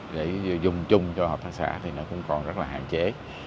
để dùng chung cho hợp tác xã thì nó cũng còn rất là hạn chế